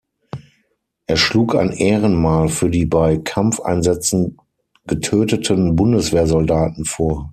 Er schlug ein Ehrenmal für die bei Kampfeinsätzen getöteten Bundeswehrsoldaten vor.